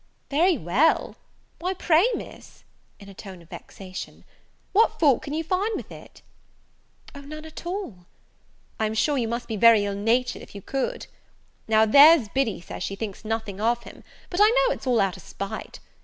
"Very well! Why, pray Miss," in a tone of vexation, "what fault can you find with it?" "O, none at all!" "I'm sure you must be very ill natured if you could. Now there's Biddy says she thinks nothing of him, but I know it's all out of spite.